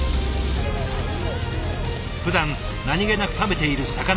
ふだん何気なく食べている魚。